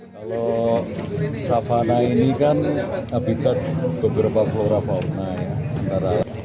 kalau savana ini kan habitat beberapa flora fauna ya